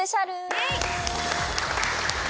イエイ！